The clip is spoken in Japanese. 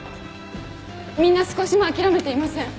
みんな少しも諦めていません。